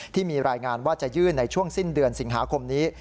ที่มีรายงานว่าจะยื่นในช่วงสิ้นเดือนสิงหาคมนี้